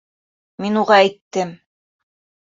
Мин уға әйттем.